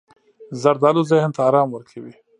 زردالو ذهن ته ارام ورکوي.